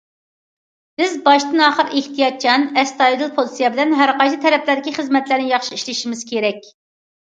بىز باشتىن- ئاخىر ئېھتىياتچان، ئەستايىدىل پوزىتسىيە بىلەن ھەر قايسى تەرەپلەردىكى خىزمەتلەرنى ياخشى ئىشلىشىمىز كېرەك.